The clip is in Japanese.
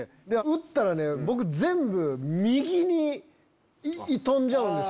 打ったら僕全部右に飛んじゃうんですよ。